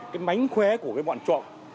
cái mánh khóe của cái bọn trộm